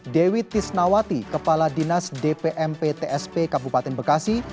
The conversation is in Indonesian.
dewi tisnawati kepala dinas dpmp tsp kabupaten bekasi